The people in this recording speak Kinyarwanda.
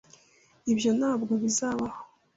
Ibyo ntabwo bizabaho